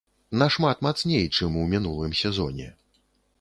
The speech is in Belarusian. Нашмат мацней, чым у мінулым сезоне.